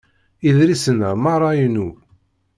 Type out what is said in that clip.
Idlisen-a merra inu.